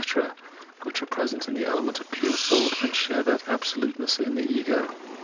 ] which are present in the element of pure thought and share that absoluteness of the ego.